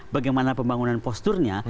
bagaimana pembangunan posturnya